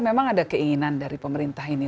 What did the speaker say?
memang ada keinginan dari pemerintah ini